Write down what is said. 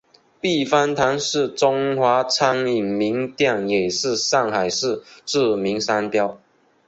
避风塘是中华餐饮名店也是上海市著名商标。